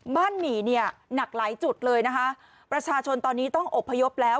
หมี่เนี่ยหนักหลายจุดเลยนะคะประชาชนตอนนี้ต้องอบพยพแล้ว